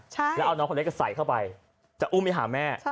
แล้วเอาน้องคนเล็กก็ใส่เข้าไปจะอุ้มไปหาแม่